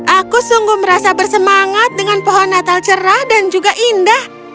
aku sungguh merasa bersemangat dengan pohon natal cerah dan juga indah